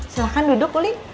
silakan duduk uli